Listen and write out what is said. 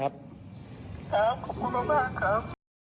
ครับขอบคุณมากครับ